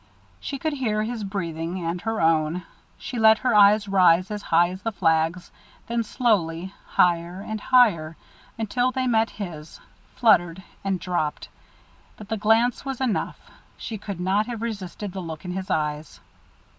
She could hear his breathing and her own. She let her eyes rise as high as the flags, then slowly, higher and higher, until they met his, fluttered, and dropped. But the glance was enough. She could not have resisted the look in his eyes.